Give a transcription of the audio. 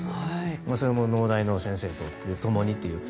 それも農大の先生とともにという。